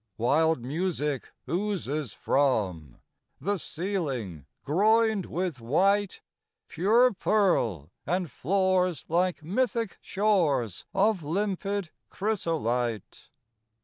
Wild music oozes from The ceiling, groined with white Pure pearl, and floors, like mythic shores, Of limpid chrysolite.